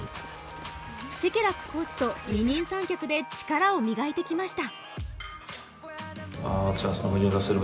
シェケラックコーチと二人三脚で力を磨いてきました。